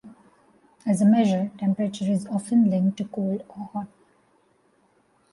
As a measure, temperature is often linked to cold or hot.